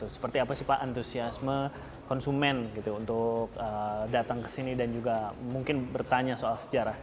seperti apa sih pak antusiasme konsumen gitu untuk datang ke sini dan juga mungkin bertanya soal sejarah